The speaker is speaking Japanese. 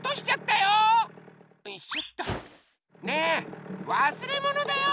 ねえわすれものだよ！